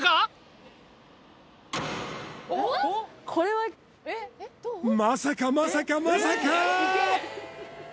これはまさかまさかまさか！